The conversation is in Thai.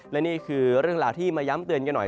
และนี่คือเรื่องราวที่มาย้ำเตือนกันหน่อย